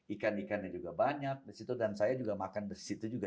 ikan ikannya juga banyak di situ dan saya juga makan di situ juga